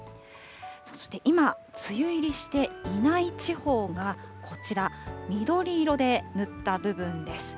そして今、梅雨入りしていない地方がこちら、緑色で塗った部分です。